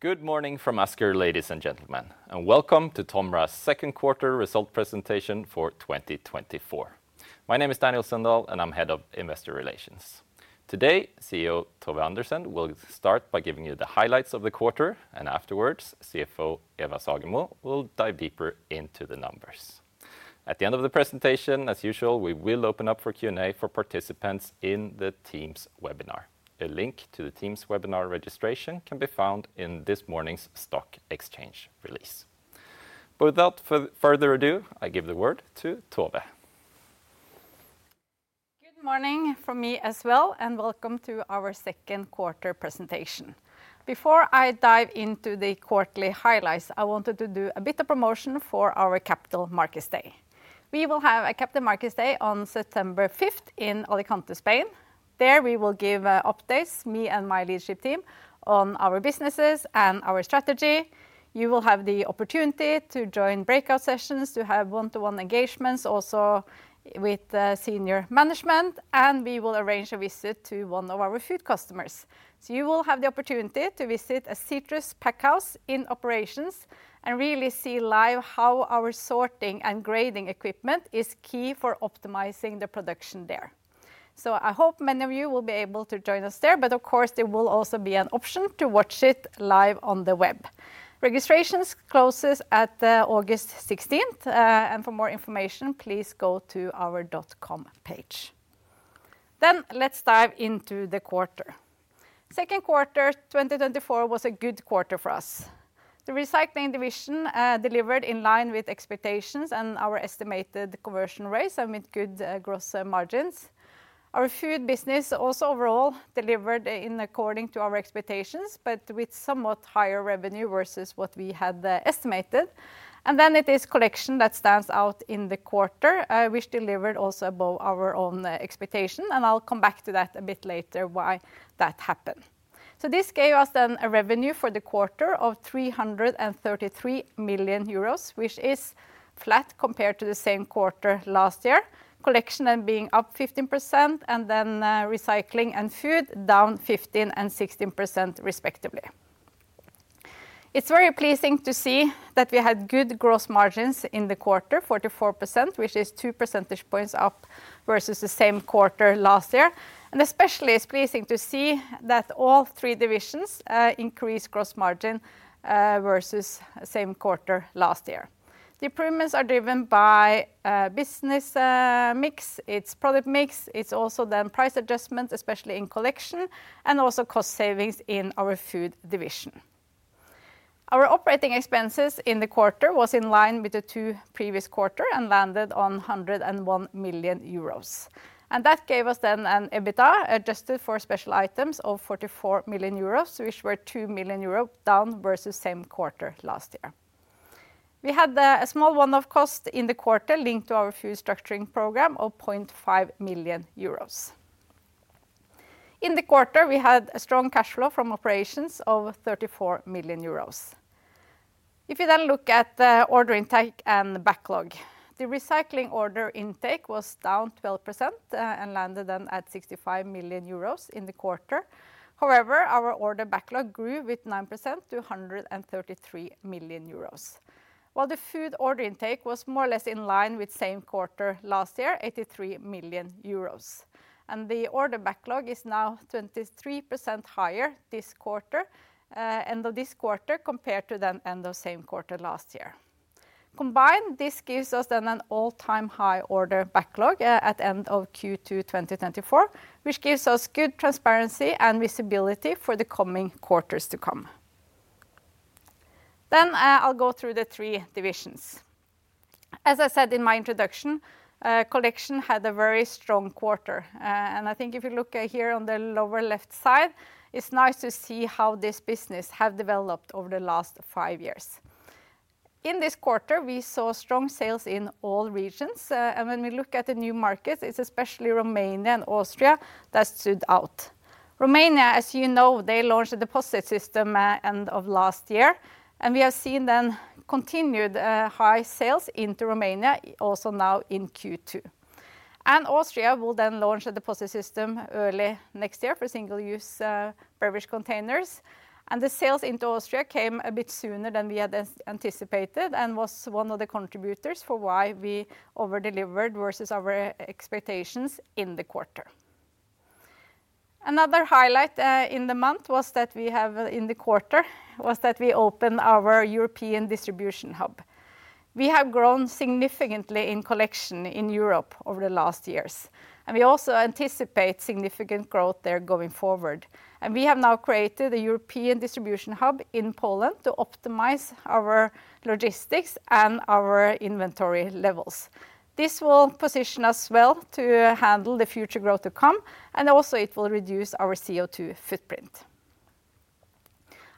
Good morning from Asker, ladies and gentlemen, and welcome to TOMRA's second quarter result presentation for 2024. My name is Daniel Sundahl, and I'm Head of Investor Relations. Today, CEO Tove Andersen will start by giving you the highlights of the quarter, and afterwards, CFO Eva Sagemo will dive deeper into the numbers. At the end of the presentation, as usual, we will open up for Q&A for participants in the Teams webinar. A link to the Teams webinar registration can be found in this morning's stock exchange release. Without further ado, I give the word to Tove. Good morning from me as well, and welcome to our second quarter presentation. Before I dive into the quarterly highlights, I wanted to do a bit of promotion for our Capital Markets Day. We will have a Capital Markets Day on September 5th in Alicante, Spain. There, we will give updates, me and my leadership team, on our businesses and our strategy. You will have the opportunity to join breakout sessions, to have one-to-one engagements, also with senior management, and we will arrange a visit to one of our food customers. So you will have the opportunity to visit a citrus pack house in operations and really see live how our sorting and grading equipment is key for optimizing the production there. So I hope many of you will be able to join us there, but of course, there will also be an option to watch it live on the web. Registrations closes at August 16th, and for more information, please go to our dot-com page. Then, let's dive into the quarter. Second quarter 2024 was a good quarter for us. The Recycling division delivered in line with expectations and our estimated conversion rates amid good gross margins. Our Food business also overall delivered in according to our expectations, but with somewhat higher revenue versus what we had estimated. And then it is Collection that stands out in the quarter, which delivered also above our own expectation, and I'll come back to that a bit later, why that happened. So this gave us then a revenue for the quarter of 333 million euros, which is flat compared to the same quarter last year. Collection then being up 15%, and then, Recycling and Food down 15% and 16%, respectively. It's very pleasing to see that we had good gross margins in the quarter, 44%, which is 2% points up versus the same quarter last year, and especially it's pleasing to see that all three divisions, increased gross margin, versus same quarter last year. The improvements are driven by, business, mix, its product mix. It's also then price adjustments, especially in Collection, and also cost savings in our Food division. Our operating expenses in the quarter was in line with the two previous quarter and landed on 101 million euros, and that gave us then an EBITDA, adjusted for special items, of 44 million euros, which were 2 million euros down versus same quarter last year. We had a small one-off cost in the quarter linked to our Food structuring program of 0.5 million euros. In the quarter, we had a strong cash flow from operations of 34 million euros. If you then look at the order intake and the backlog, the Recycling order intake was down 12%, and landed then at 65 million euros in the quarter. However, our order backlog grew with 9% to 133 million euros, while the Food order intake was more or less in line with same quarter last year, 83 million euros. The order backlog is now 23% higher this quarter, end of this quarter, compared to the end of same quarter last year. Combined, this gives us then an all-time high order backlog, at end of Q2 2024, which gives us good transparency and visibility for the coming quarters to come. I'll go through the three divisions. As I said in my introduction, Collection had a very strong quarter, and I think if you look at here on the lower left side, it's nice to see how this business have developed over the last five years. In this quarter, we saw strong sales in all regions, and when we look at the new markets, it's especially Romania and Austria that stood out. Romania, as you know, they launched a deposit system end of last year, and we have seen then continued high sales into Romania, also now in Q2. And Austria will then launch a deposit system early next year for single-use beverage containers, and the sales into Austria came a bit sooner than we had anticipated and was one of the contributors for why we over-delivered versus our expectations in the quarter. Another highlight in the month was that we have in the quarter was that we opened our European distribution hub. We have grown significantly in Collection in Europe over the last years, and we also anticipate significant growth there going forward. And we have now created a European distribution hub in Poland to optimize our logistics and our inventory levels. This will position us well to handle the future growth to come, and also it will reduce our CO2 footprint.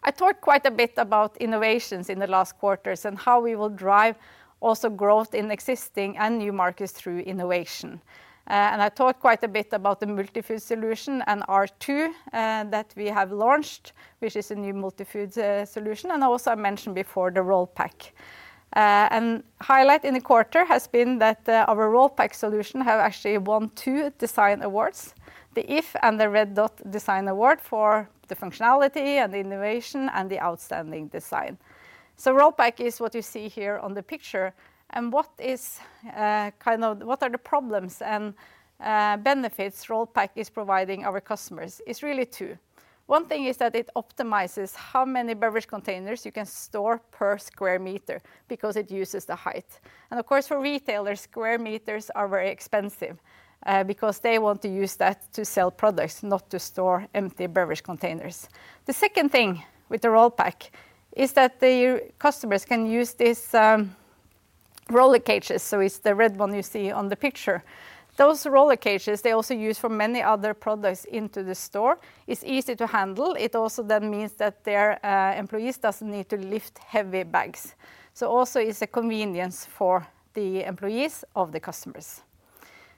I talked quite a bit about innovations in the last quarters and how we will drive also growth in existing and new markets through innovation, and I talked quite a bit about the multi-feed solution and R2 that we have launched, which is a new multi-feed solution, and also I mentioned before the RollPac. A highlight in the quarter has been that our RollPac solution have actually won two design awards, the iF and the Red Dot design award for the functionality and the innovation and the outstanding design. So RollPac is what you see here on the picture, and what are the problems and benefits RollPac is providing our customers? It's really two. One thing is that it optimizes how many beverage containers you can store per square meter because it uses the height. And, of course, for retailers, square meters are very expensive, because they want to use that to sell products, not to store empty beverage containers. The second thing with the RollPac is that the customers can use this, roller cages, so it's the red one you see on the picture. Those roller cages, they also use for many other products into the store. It's easy to handle. It also then means that their, employees doesn't need to lift heavy bags, so also it's a convenience for the employees of the customers.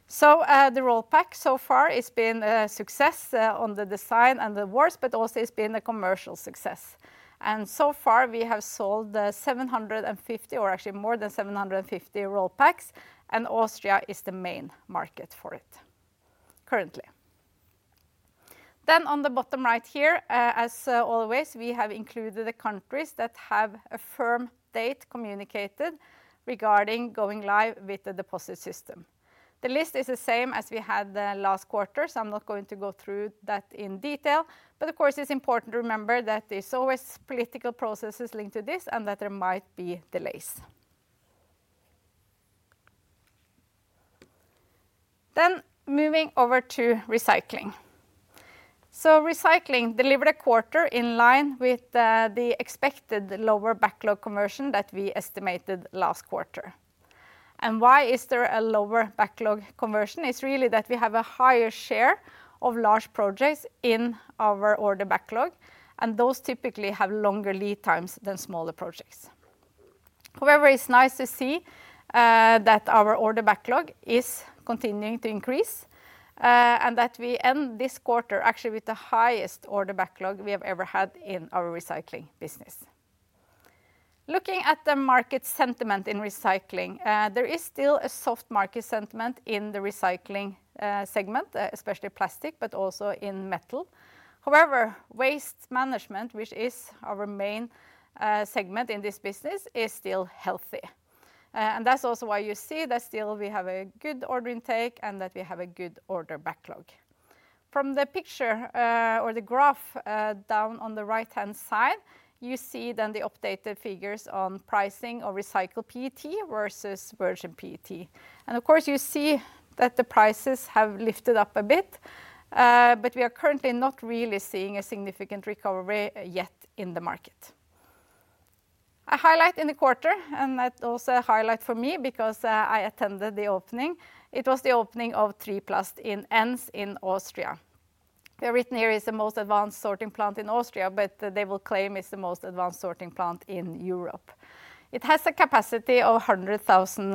So, the RollPac so far it's been a success, on the design and the awards, but also it's been a commercial success, and so far we have sold 750, or actually more than 750 RollPacs, and Austria is the main market for it currently. Then on the bottom right here, as always, we have included the countries that have a firm date communicated regarding going live with the deposit system. The list is the same as we had the last quarter, so I'm not going to go through that in detail. But, of course, it's important to remember that there's always political processes linked to this and that there might be delays. Then moving over to Recycling. So Recycling delivered a quarter in line with the expected lower backlog conversion that we estimated last quarter. Why is there a lower backlog conversion? It's really that we have a higher share of large projects in our order backlog, and those typically have longer lead times than smaller projects. However, it's nice to see that our order backlog is continuing to increase, and that we end this quarter actually with the highest order backlog we have ever had in our Recycling business. Looking at the market sentiment in Recycling, there is still a soft market sentiment in the Recycling segment, especially plastic, but also in metal. However, waste management, which is our main segment in this business, is still healthy. And that's also why you see that still we have a good order intake and that we have a good order backlog. From the picture, or the graph, down on the right-hand side, you see then the updated figures on pricing of recycled PET versus virgin PET. And of course, you see that the prices have lifted up a bit, but we are currently not really seeing a significant recovery yet in the market. A highlight in the quarter, and that also a highlight for me because, I attended the opening, it was the opening of TriPlast in Enns in Austria. They're written here is the most advanced sorting plant in Austria, but they will claim it's the most advanced sorting plant in Europe. It has a capacity of 100,000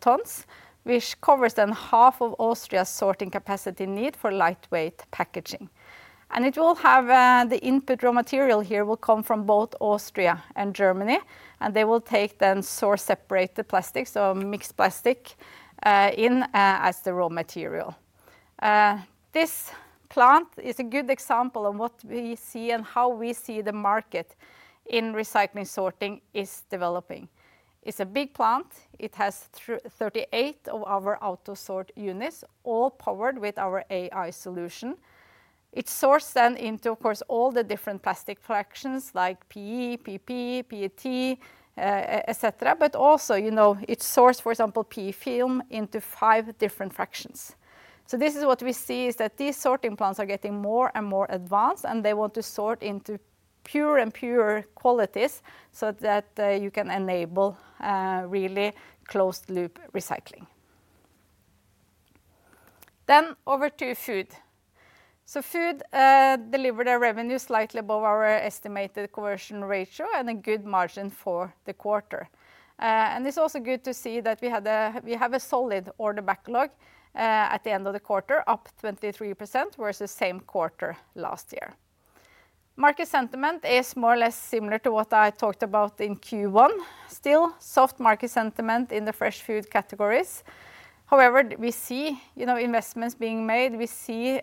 tons, which covers then half of Austria's sorting capacity need for lightweight packaging. It will have the input raw material here will come from both Austria and Germany, and they will take then source separate the plastic, so mixed plastic, as the raw material. This plant is a good example of what we see and how we see the market in recycling sorting is developing. It's a big plant. It has 38 of our AUTOSORT units, all powered with our AI solution. It sorts then into, of course, all the different plastic fractions, like PE, PP, PET, etcetera, but also, you know, it sorts, for example, PE film into five different fractions. So this is what we see, is that these sorting plants are getting more and more advanced, and they want to sort into pure and pure qualities so that you can enable really closed-loop recycling. Then over to Food. So Food delivered a revenue slightly above our estimated conversion ratio and a good margin for the quarter. And it's also good to see that we have a solid order backlog at the end of the quarter, up 23% versus same quarter last year. Market sentiment is more or less similar to what I talked about in Q1, still soft market sentiment in the fresh food categories. However, we see, you know, investments being made, we see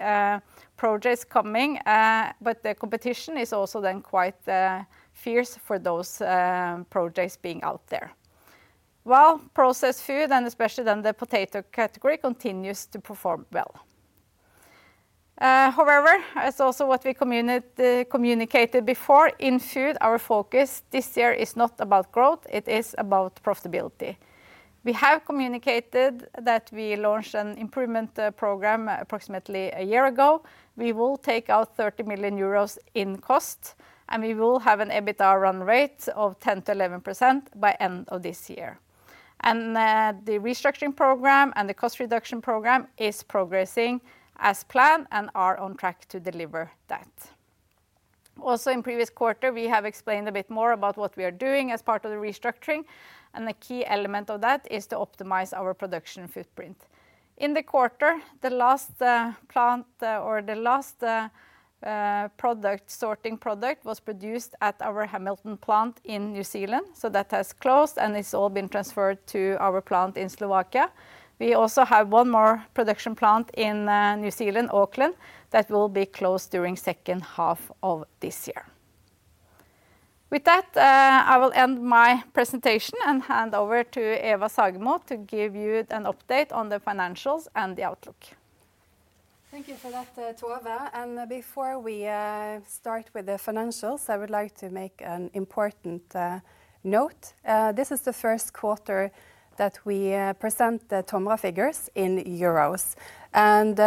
projects coming, but the competition is also then quite fierce for those projects being out there. While processed food and especially then the potato category continues to perform well. However, it's also what we communicated before, in Food, our focus this year is not about growth, it is about profitability. We have communicated that we launched an improvement, program approximately a year ago. We will take out 30 million euros in cost, and we will have an EBITDA run rate of 10%-11% by end of this year. The restructuring program and the cost reduction program is progressing as planned and are on track to deliver that. Also, in previous quarter, we have explained a bit more about what we are doing as part of the restructuring, and the key element of that is to optimize our production footprint....In the quarter, the last, plant, or the last, product, sorting product, was produced at our Hamilton plant in New Zealand. So that has closed, and it's all been transferred to our plant in Slovakia. We also have one more production plant in New Zealand, Auckland, that will be closed during second half of this year. With that, I will end my presentation and hand over to Eva Sagemo to give you an update on the financials and the outlook. Thank you for that, Tove. Before we start with the financials, I would like to make an important note. This is the first quarter that we present the TOMRA figures in euros, and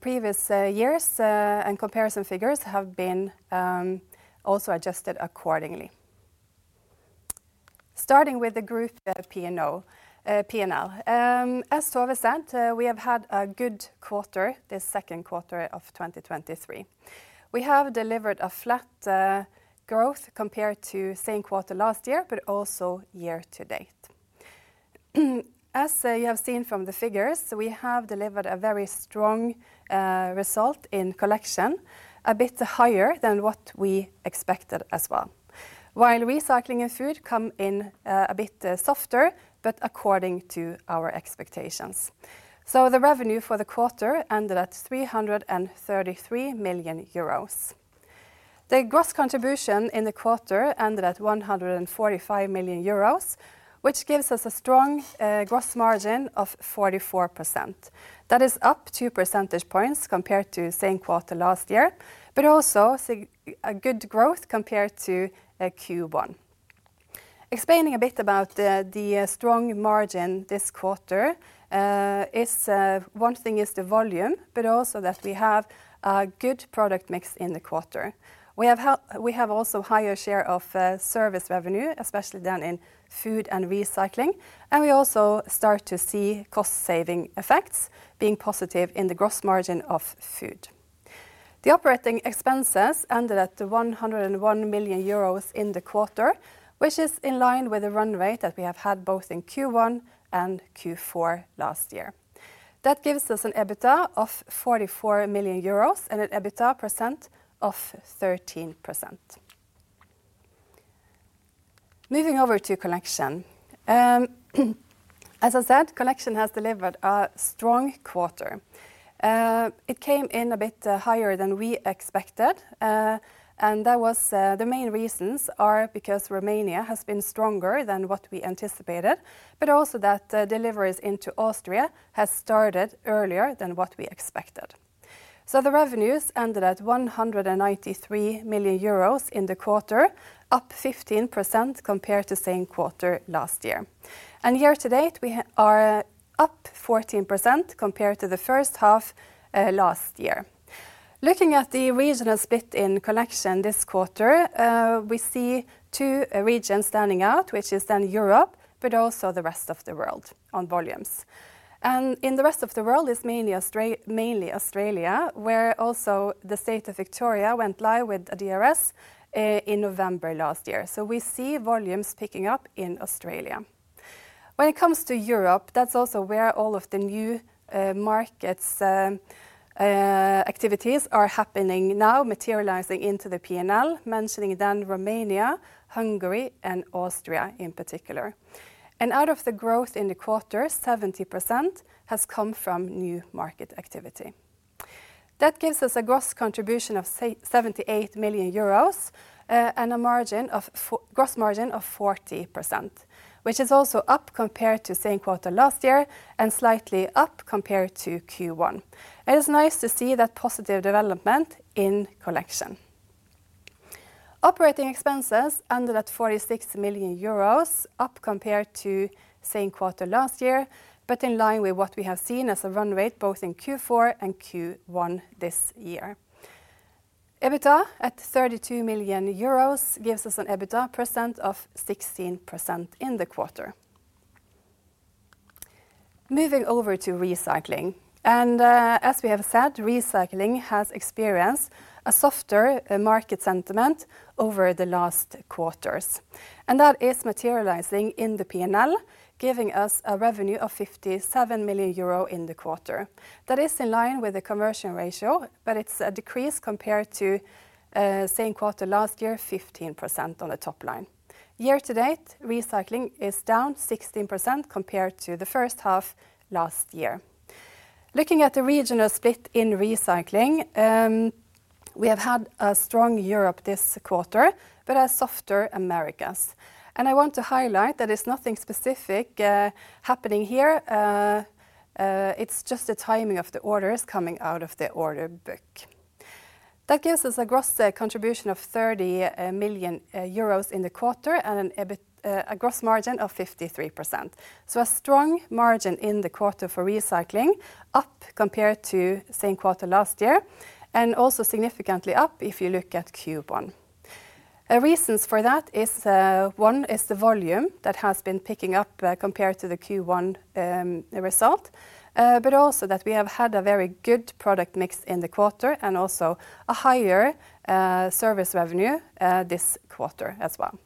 previous years and comparison figures have been also adjusted accordingly. Starting with the group P&O, P&L. As Tove said, we have had a good quarter this second quarter of 2023. We have delivered a flat growth compared to same quarter last year, but also year to date. As you have seen from the figures, we have delivered a very strong result in collection, a bit higher than what we expected as well. While Recycling and Food come in a bit softer, but according to our expectations. So the revenue for the quarter ended at 333 million euros. The gross contribution in the quarter ended at 145 million euros, which gives us a strong, gross margin of 44%. That is up two percentage points compared to same quarter last year, but also a good growth compared to Q1. Explaining a bit about the strong margin this quarter, is one thing is the volume, but also that we have a good product mix in the quarter. We have we have also higher share of service revenue, especially than in Food and Recycling, and we also start to see cost-saving effects being positive in the gross margin of Food. The operating expenses ended at 101 million euros in the quarter, which is in line with the run rate that we have had both in Q1 and Q4 last year. That gives us an EBITDA of 44 million euros and an EBITDA percent of 13%. Moving over to Collection. As I said, Collection has delivered a strong quarter. It came in a bit higher than we expected, and that was. The main reasons are because Romania has been stronger than what we anticipated, but also that the deliveries into Austria has started earlier than what we expected. So the revenues ended at 193 million euros in the quarter, up 15% compared to same quarter last year. Year to date, we are up 14% compared to the first half last year. Looking at the regional split in Collection this quarter, we see two regions standing out, which is then Europe, but also the rest of the world on volumes. In the rest of the world, it's mainly Australia, where also the state of Victoria went live with a DRS in November last year. So we see volumes picking up in Australia. When it comes to Europe, that's also where all of the new markets' activities are happening now, materializing into the P&L. Mentioning then Romania, Hungary, and Austria in particular. Out of the growth in the quarter, 70% has come from new market activity. That gives us a gross contribution of 78 million euros, and a gross margin of 40%, which is also up compared to same quarter last year and slightly up compared to Q1. It is nice to see that positive development in Collection. Operating expenses ended at 46 million euros, up compared to same quarter last year, but in line with what we have seen as a run rate both in Q4 and Q1 this year. EBITDA at 32 million euros gives us an EBITDA percent of 16% in the quarter. Moving over to Recycling, as we have said, Recycling has experienced a softer market sentiment over the last quarters, and that is materializing in the P&L, giving us a revenue of 57 million euro in the quarter. That is in line with the conversion ratio, but it's a decrease compared to same quarter last year, 15% on the top line. Year to date, Recycling is down 16% compared to the first half last year. Looking at the regional split in Recycling, we have had a strong Europe this quarter, but a softer Americas. And I want to highlight that it's nothing specific happening here. It's just the timing of the orders coming out of the order book. That gives us a gross contribution of 30 million euros in the quarter and an EBIT- a gross margin of 53%. So a strong margin in the quarter for Recycling, up compared to same quarter last year, and also significantly up if you look at Q1. Reasons for that is, one, is the volume that has been picking up, compared to the Q1, result, but also that we have had a very good product mix in the quarter and also a higher, service revenue, this quarter as well.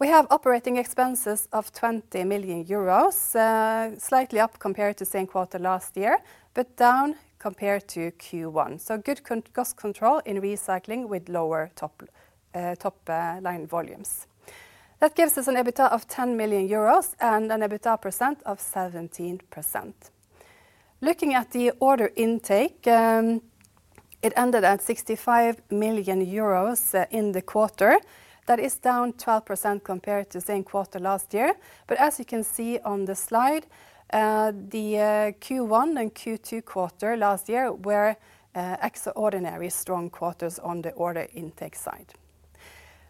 We have operating expenses of 20 million euros, slightly up compared to same quarter last year, but down compared to Q1. So good cost control in recycling with lower top line volumes. That gives us an EBITDA of 10 million euros and an EBITDA percent of 17%. Looking at the order intake, it ended at 65 million euros, in the quarter. That is down 12% compared to same quarter last year. But as you can see on the slide, the Q1 and Q2 quarter last year were extraordinary strong quarters on the order intake side.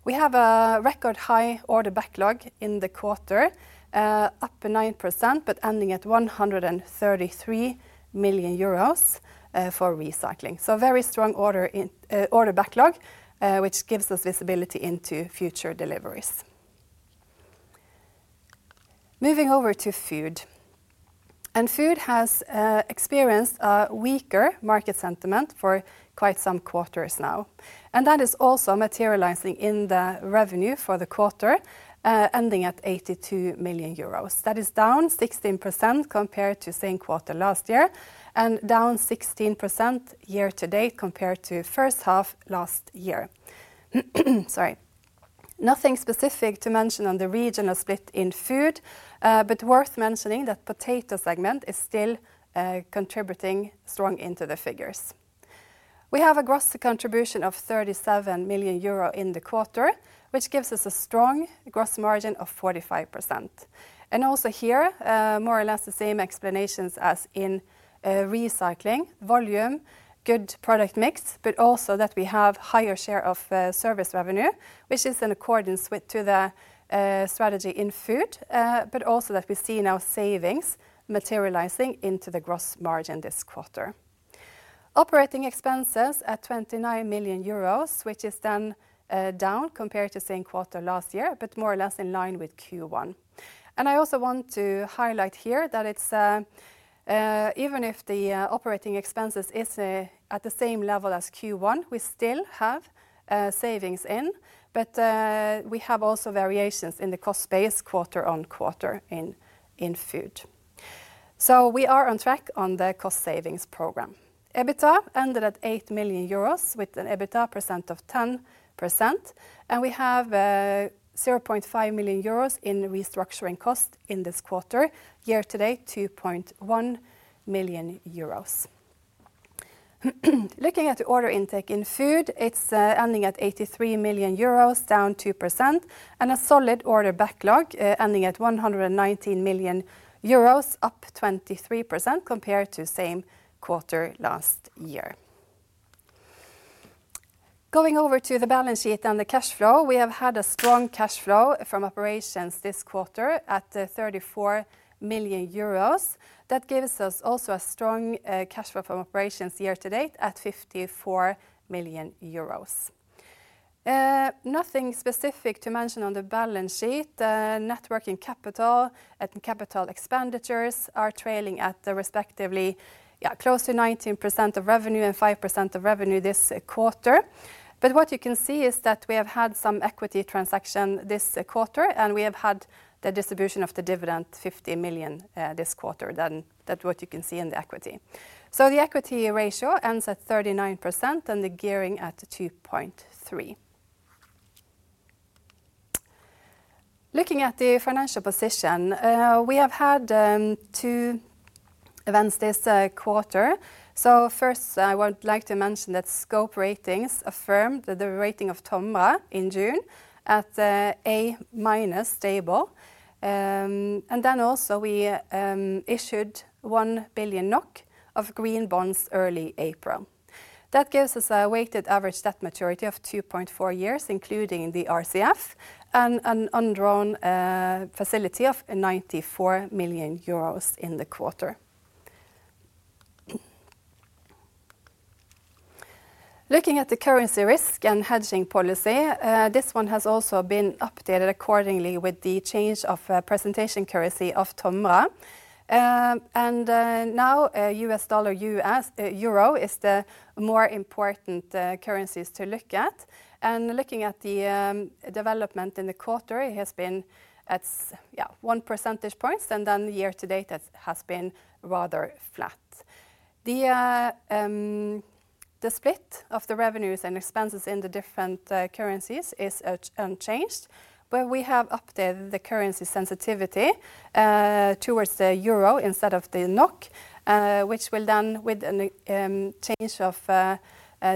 We have a record high order backlog in the quarter, up 9%, but ending at 133 million euros, for recycling. So a very strong order backlog, which gives us visibility into future deliveries. Moving over to Food, and Food has experienced a weaker market sentiment for quite some quarters now, and that is also materializing in the revenue for the quarter, ending at 82 million euros. That is down 16% compared to same quarter last year, and down 16% year to date compared to first half last year. Sorry. Nothing specific to mention on the regional split in Food, but worth mentioning that potato segment is still contributing strong into the figures. We have a gross contribution of 37 million euro in the quarter, which gives us a strong gross margin of 45%. And also here, more or less the same explanations as in Recycling: volume, good product mix, but also that we have higher share of service revenue, which is in accordance with the strategy in Food, but also that we see now savings materializing into the gross margin this quarter. Operating expenses at 29 million euros, which is then down compared to same quarter last year, but more or less in line with Q1. And I also want to highlight here that it's... Even if the operating expenses is at the same level as Q1, we still have savings, but we have also variations in the cost base quarter on quarter in Food. So we are on track on the cost savings program. EBITDA ended at 8 million euros, with an EBITDA percent of 10%, and we have 0.5 million euros in restructuring costs in this quarter. Year to date, 2.1 million euros. Looking at the order intake in Food, it's ending at 83 million euros, down 2%, and a solid order backlog ending at 119 million euros, up 23% compared to same quarter last year. Going over to the balance sheet and the cash flow, we have had a strong cash flow from operations this quarter at 34 million euros. That gives us also a strong cash flow from operations year to date at 54 million euros. Nothing specific to mention on the balance sheet. Net working capital and capital expenditures are trailing at the respectively, yeah, close to 19% of revenue and 5% of revenue this quarter. But what you can see is that we have had some equity transaction this quarter, and we have had the distribution of the dividend, 50 million this quarter, then, that's what you can see in the equity. So the equity ratio ends at 39% and the gearing at 2.3. Looking at the financial position, we have had two events this quarter. So first, I would like to mention that Scope Ratings affirmed the rating of TOMRA in June at A- stable. And then also we issued 1 billion NOK of green bonds early April. That gives us a weighted average debt maturity of 2.4 years, including the RCF and an undrawn facility of 94 million euros in the quarter. Looking at the currency risk and hedging policy, this one has als been updated accordingly with the change of presentation currency of TOMRA. And now, US dollar, euro is the more important currencies to look at. And looking at the development in the quarter, it has been at 1 percentage point, and then the year to date has been rather flat. The split of the revenues and expenses in the different currencies is unchanged, but we have updated the currency sensitivity towards the euro instead of the NOK, which will then, with a change of the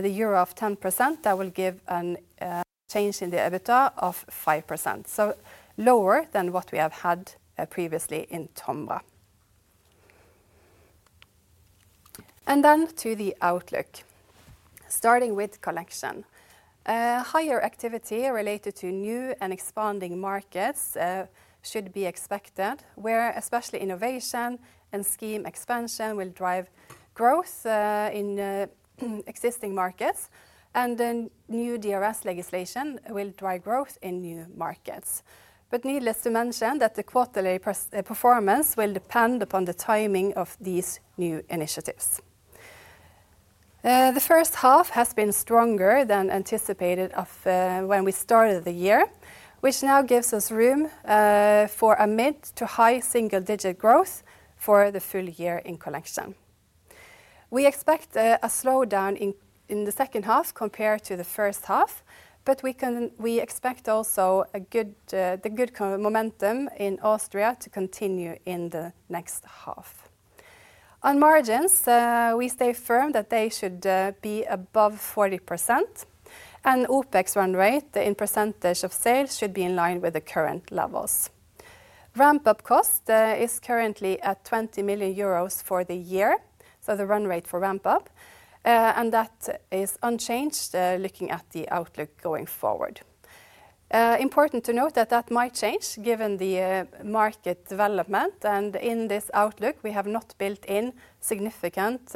euro of 10%, that will give a change in the EBITDA of 5%, so lower than what we have had previoously in TOMRA. Then to the outlook, starting with Collection. Higher activity related to new and expanding markets should be expected, where especially innovation and scheme expansion will drive growth in existing markets, and then new DRS legislation will drive growth in new markets. But needless to mention, that the quarterly performance will depend upon the timing of these new initiatives. The first half has been stronger than anticipated when we started the year, which now gives us room for a mid to high single-digit growth for the full year in collection. We expect a slowdown in the second half compared to the first half, but we expect also a good momentum in Austria to continue in the next half. On margins, we stay firm that they should be above 40%, and OpEx run rate, in percentage of sales, should be in line with the current levels. Ramp-up cost is currently at 20 million euros for the year, so the run rate for ramp-up and that is unchanged looking at the outlook going forward. Important to note that that might change given the market development, and in this outlook, we have not built in significant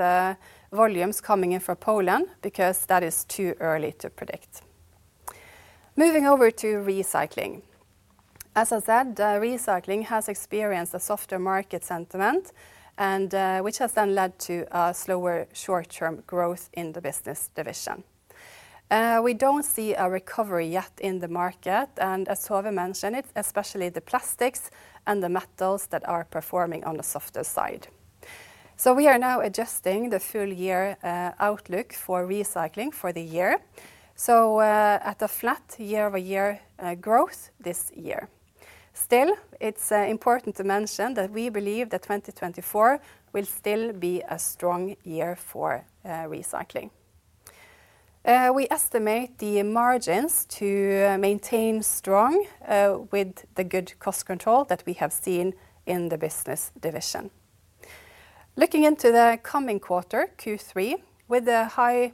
volumes coming in from Poland, because that is too early to predict. Moving over to Recycling. As I said, Recycling has experienced a softer market sentiment, and which has then led to a slower short-term growth in the business division. We don't see a recovery yet in the market, and as Tove mentioned it, especially the plastics and the metals that are performing on the softer side. So we are now adjusting the full-year outlook for Recycling for the year, so at a flat year-over-year growth this year. Still, it's important to mention that we believe that 2024 will still be a strong year for Recycling. We estimate the margins to maintain strong, with the good cost control that we have seen in the business division. Looking into the coming quarter, Q3, with the high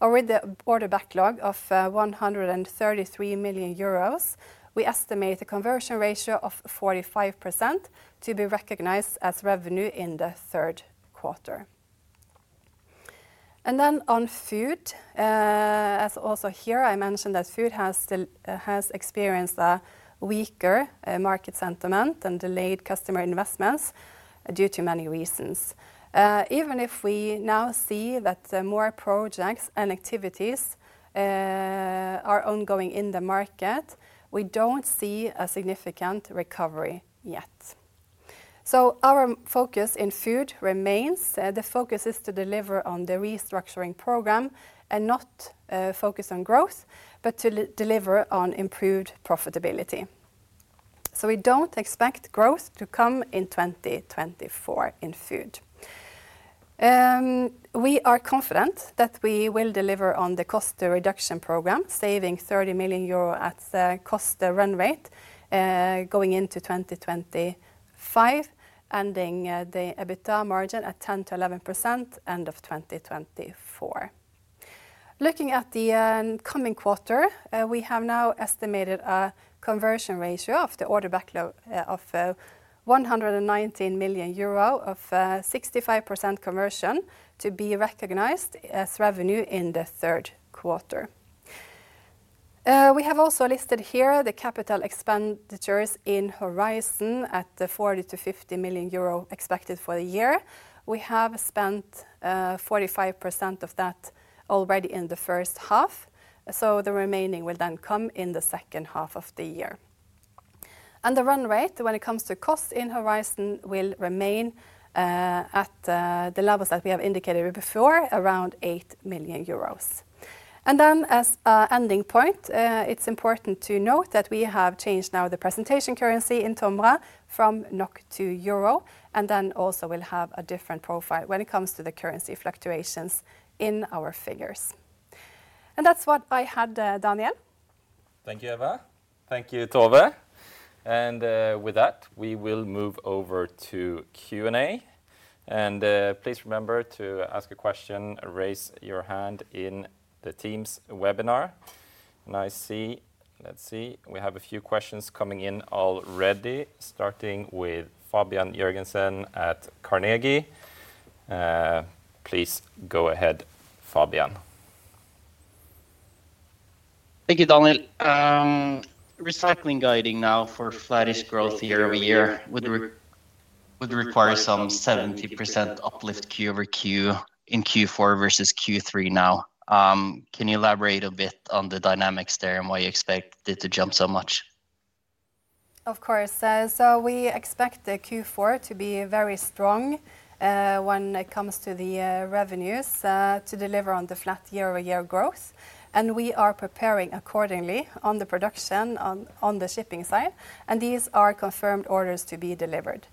or with the order backlog of 133 million euros, we estimate a conversion ratio of 45% to be recognized as revenue in the third quarter. And then on Food, as also here, I mentioned that Food has experienced a weaker market sentiment and delayed customer investments due to many reasons. Even if we now see that more projects and activities are ongoing in the market, we don't see a significant recovery yet. So our focus in Food remains, the focus is to deliver on the restructuring program and not focus on growth, but to deliver on improved profitability. We don't expect growth to come in 2024 in Food. We are confident that we will deliver on the cost reduction program, saving 30 million euro at the cost, the run rate, going into 2025, ending the EBITDA margin at 10%-11% end of 2024. Looking at the coming quarter, we have now estimated a conversion ratio of the order backlog of 119 million euro of 65% conversion to be recognized as revenue in the third quarter. We have also listed here the capital expenditures in Horizon at the 40 million-50 million euro expected for the year. We have spent 45% of that already in the first half, so the remaining will then come in the second half of the year. The run rate when it comes to costs in Horizon will remain at the levels that we have indicated before, around 8 million euros. Then as an ending point, it's important to note that we have changed now the presentation currency in TOMRA from NOK to euro, and then also we'll have a different profile when it comes to the currency fluctuations in our figures. That's what I had, Daniel. Thank you, Eva. Thank you, Tove. And, with that, we will move over to Q&A. And, please remember to ask a question, raise your hand in the Teams webinar. And I see. We have a few questions coming in already, starting with Fabian Jørgensen at Carnegie. Please go ahead, Fabian. Thank you, Daniel. Recycling guiding now for flattish growth year-over-year would require some 70% uplift Q-over-Q in Q4 versus Q3 now. Can you elaborate a bit on the dynamics there and why you expect it to jump so much? Of course. So we expect the Q4 to be very strong, when it comes to the revenues, to deliver on the flat year-over-year growth. And we are preparing accordingly on the production, on the shipping side, and these are confirmed orders to be delivered.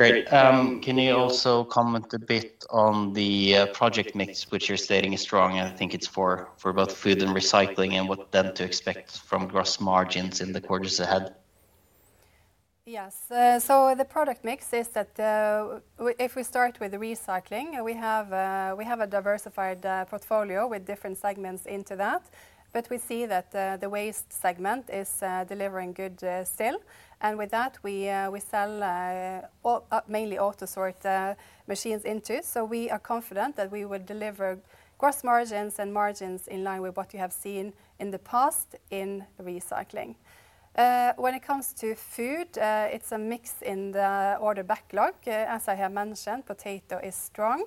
Great. Can you also comment a bit on the project mix, which you're stating is strong, and I think it's for both Food and Recycling, and what then to expect from gross margins in the quarters ahead? Yes. So the product mix is that, if we start with Recycling, we have a diversified portfolio with different segments into that, but we see that the waste segment is delivering good still. And with that, we sell all mainly AUTOSORT machines into. So we are confident that we will deliver gross margins and margins in line with what you have seen in the past in Recycling. When it comes to Food, it's a mix in the order backlog. As I have mentioned, potato is strong.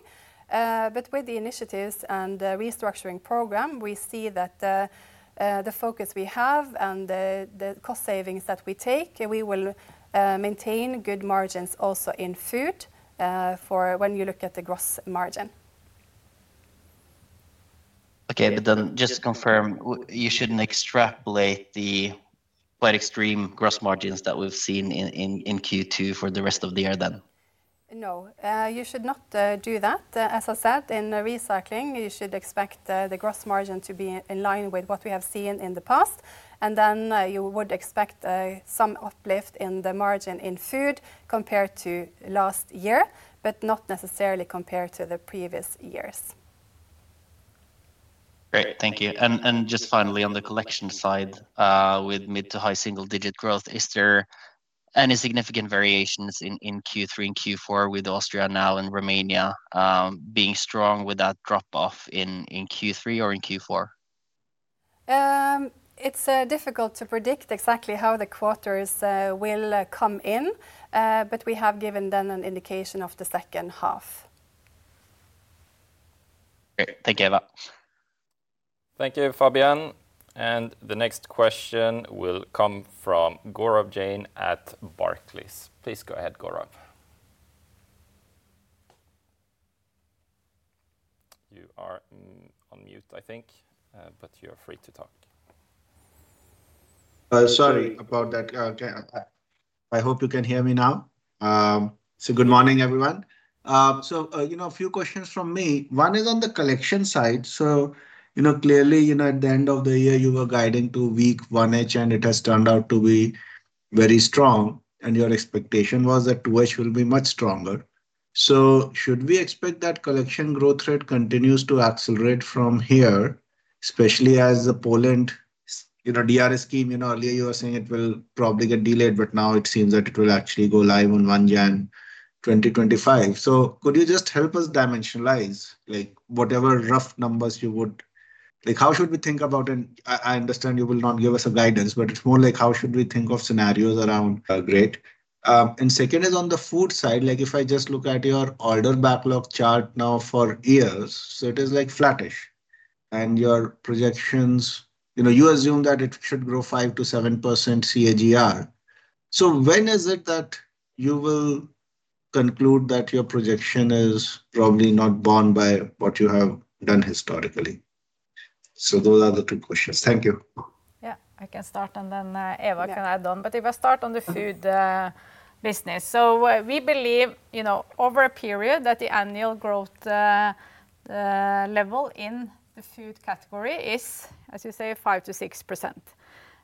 But with the initiatives and the restructuring program, we see that the focus we have and the cost savings that we take, we will maintain good margins also in Food, for when you look at the gross margin. Okay, but then just confirm, you shouldn't extrapolate the quite extreme gross margins that we've seen in Q2 for the rest of the year, then? No. You should not do that. As I said, in Recycling, you should expect the gross margin to be in line with what we have seen in the past. And then, you would expect some uplift in the margin in Food compared to last year, but not necessarily compared to the previous years. Great. Thank you. Just finally, on the collection side, with mid- to high single-digit growth, is there any significant variations in Q3 and Q4 with Austria now and Romania being strong with that drop-off in Q3 or in Q4? It's difficult to predict exactly how the quarters will come in, but we have given them an indication of the second half. Great. Thank you, Eva. Thank you, Fabian. The next question will come from Gaurav Jain at Barclays. Please go ahead, Gaurav. You are on mute, I think, but you're free to talk. Sorry about that. I hope you can hear me now. Good morning, everyone. You know, a few questions from me. One is on the collection side. You know, clearly, you know, at the end of the year, you were guiding to weak 1H, and it has turned out to be very strong, and your expectation was that 2H will be much stronger. Should we expect that collection growth rate continues to accelerate from here, especially as the Poland's DRS scheme, you know, earlier you were saying it will probably get delayed, but now it seems that it will actually go live on 1 January 2025. Could you just help us dimensionalize, like, whatever rough numbers you would? Like, how should we think about. I understand you will not give us a guidance, but it's more like how should we think of scenarios around our grid? Second is on the food side. Like, if I just look at your order backlog chart now for years, so it is, like, flattish. And your projections, you know, you assume that it should grow 5%-7% CAGR. So when is it that you will conclude that your projection is probably not bound by what you have done historically? So those are the two questions. Thank you. Yeah, I can start, and then. Yeah.... Eva can add on. But if I start on the food business, so we, we believe, you know, over a period, that the annual growth level in the food category is, as you say, 5%-6%.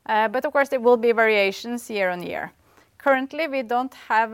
But of course, there will be variations year-on-year. Currently, we don't have...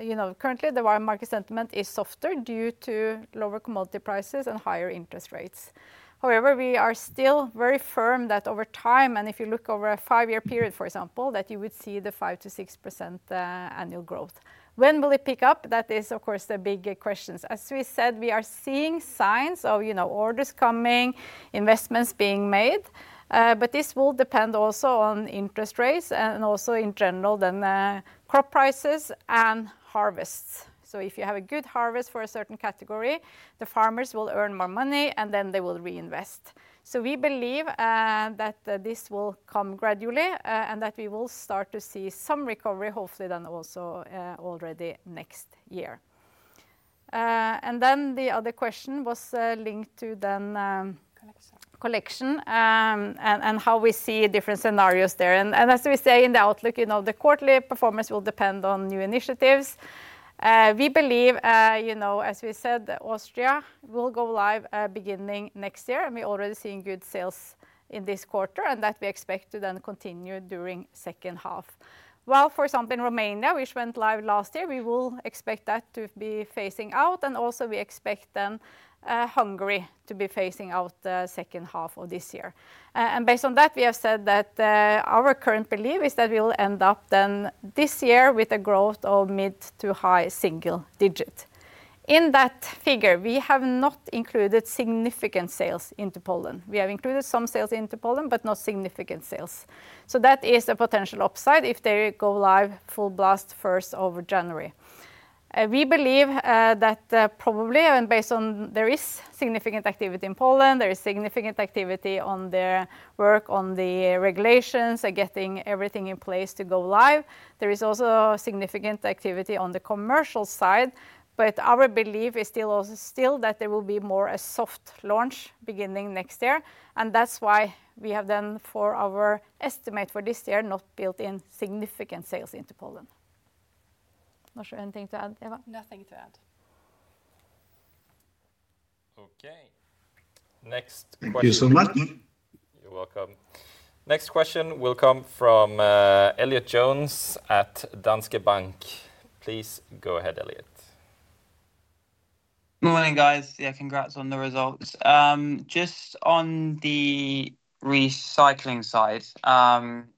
You know, currently, the wide market sentiment is softer due to lower commodity prices and higher interest rates. However, we are still very firm that over time, and if you look over a five-year period, for example, that you would see the 5%-6% annual growth. When will it pick up? That is, of course, the big question. As we said, we are seeing signs of, you know, orders coming, investments being made, but this will depend also on interest rates and also in general, then, crop prices and harvests. So if you have a good harvest for a certain category, the farmers will earn more money, and then they will reinvest. So we believe that this will come gradually, and that we will start to see some recovery, hopefully, then also, already next year. And then the other question was linked to then. Collection.... collection, and how we see different scenarios there. As we say in the outlook, you know, the quarterly performance will depend on new initiatives. We believe, you know, as we said, Austria will go live, beginning next year, and we're already seeing good sales in this quarter, and that we expect to then continue during second half. While, for example, in Romania, which went live last year, we will expect that to be phasing out, and also we expect then, Hungary to be phasing out the second half of this year. And based on that, we have said that, our current belief is that we will end up then this year with a growth of mid- to high-single-digit. In that figure, we have not included significant sales into Poland. We have included some sales into Poland, but not significant sales. So that is a potential upside if they go live full blast 1st of January. We believe that probably, and based on... There is significant activity in Poland, there is significant activity on their work on the regulations and getting everything in place to go live. There is also significant activity on the commercial side, but our belief is still still that there will be more a soft launch beginning next year, and that's why we have then, for our estimate for this year, not built in significant sales into Poland. Not sure anything to add, Eva? Nothing to add. Okay. Next question. Thank you so much. You're welcome. Next question will come from, Elliott Jones at Danske Bank. Please go ahead, Elliott. Morning, guys. Yeah, congrats on the results. Just on the recycling side,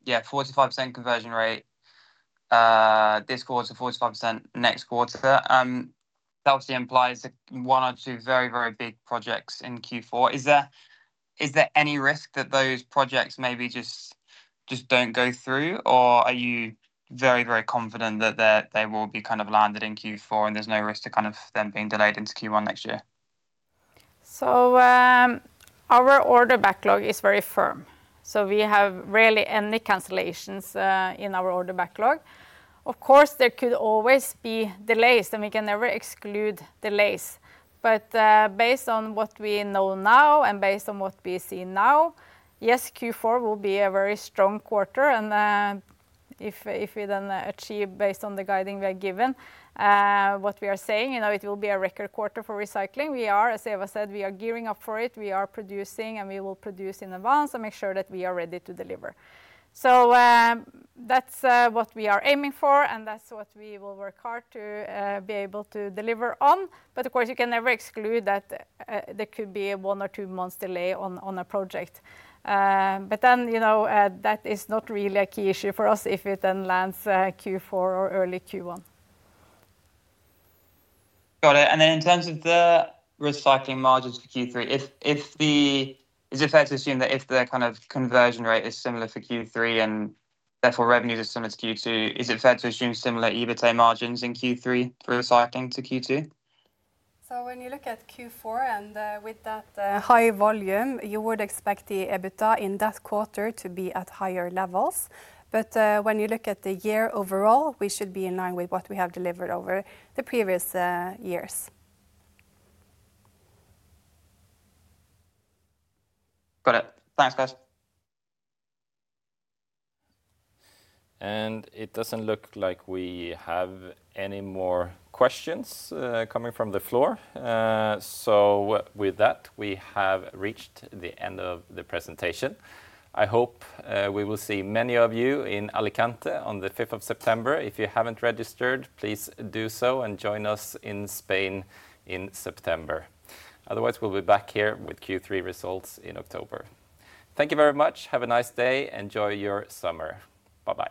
yeah, 45% conversion rate this quarter, 45% next quarter, that obviously implies that one or two very, very big projects in Q4. Is there any risk that those projects maybe just don't go through, or are you very, very confident that they will be kind of landed in Q4, and there's no risk to kind of them being delayed into Q1 next year? So, our order backlog is very firm, so we have rarely any cancellations in our order backlog. Of course, there could always be delays, and we can never exclude delays. But, based on what we know now and based on what we see now, yes, Q4 will be a very strong quarter. And, if, if we then achieve based on the guiding we are given, what we are saying, you know, it will be a record quarter for recycling. We are, as Eva said, we are gearing up for it. We are producing, and we will produce in advance and make sure that we are ready to deliver. So, that's what we are aiming for, and that's what we will work hard to be able to deliver on. But of course, you can never exclude that there could be a one or two months delay on a project. But then, you know, that is not really a key issue for us if it then lands Q4 or early Q1. Got it. And then, in terms of the recycling margins for Q3, is it fair to assume that if the kind of conversion rate is similar for Q3, and therefore revenues are similar to Q2, is it fair to assume similar EBITDA margins in Q3 for recycling to Q2? So when you look at Q4 and, with that, high volume, you would expect the EBITDA in that quarter to be at higher levels. But, when you look at the year overall, we should be in line with what we have delivered over the previous, years. Got it. Thanks, guys. It doesn't look like we have any more questions coming from the floor. So with that, we have reached the end of the presentation. I hope we will see many of you in Alicante on the 5th of September. If you haven't registered, please do so and join us in Spain in September. Otherwise, we'll be back here with Q3 results in October. Thank you very much. Have a nice day. Enjoy your summer. Bye-bye.